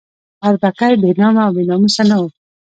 اربکی بې نامه او بې ناموسه نه وو.